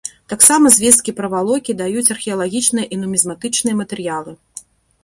Таксама звесткі пра валокі даюць археалагічныя і нумізматычныя матэрыялы.